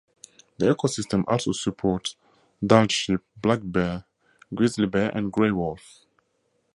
The ecosystem also supports Dall sheep, black bear, grizzly bear, and gray wolf.